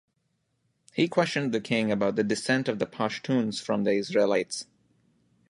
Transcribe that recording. He questioned the King about the descent of the Pashtuns from the Israelites.